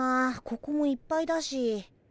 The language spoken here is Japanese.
ここもいっぱいだし。